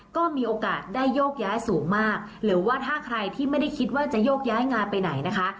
ก็มีโอกาสได้โยกย้ายสูงมากหรือว่าถ้าใครที่ไม่ได้คิดว่าจะโยกย้ายงานไปไหนนะคะ